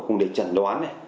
cùng để trần đoán